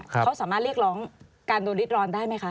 เขาสามารถเรียกร้องการโดนริดร้อนได้ไหมคะ